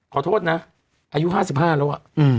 ขอโทษนะอายุ๕๕แล้ว